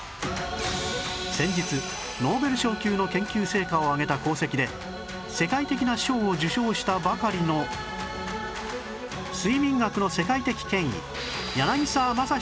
先日ノーベル賞級の研究成果を上げた功績で世界的な賞を受賞したばかりの睡眠学の世界的権威柳沢正史